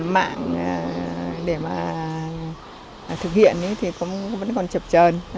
mạng để thực hiện thì vẫn còn chập trờn